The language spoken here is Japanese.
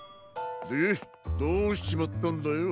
でどうしちまったんだよ。